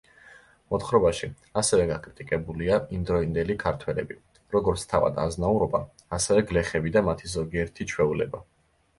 მოთხრობაში, ასევე, გაკრიტიკებულია იმდროინდელი ქართველები, როგორც თავად-აზნაურობა, ასევე გლეხები და მათი ზოგიერთი ჩვეულება.